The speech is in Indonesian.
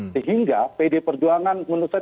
sehingga pd perjuangan menurut saya